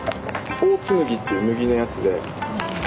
オーツ麦っていう麦のやつで。